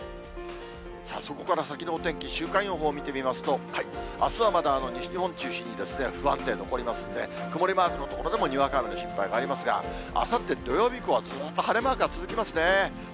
そこから先のお天気、週間予報を見てみますと、あすはまだ西日本中心に不安定残りますので、曇りマークの所でもにわか雨の心配がありますが、あさって土曜日以降は、ずーっと晴れマークが続きますね。